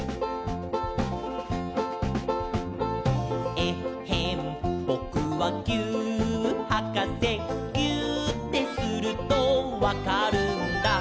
「えっへんぼくはぎゅーっはかせ」「ぎゅーってするとわかるんだ」